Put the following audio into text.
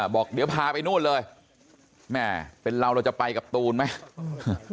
บอกเดี๋ยวพาไปนู่นเลยแม่เป็นเราเราจะไปกับตูนไหม